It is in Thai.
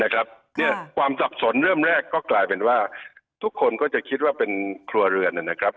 ความสับสนเริ่มแรกก็กลายเป็นว่าทุกคนก็จะคิดว่าเป็นครัวเรือนนะครับ